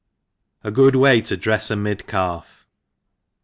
jigood Way to drefi a Midcalf.